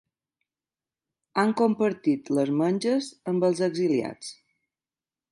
Han compartit les menges amb els exiliats.